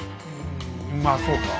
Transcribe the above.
まあそうか。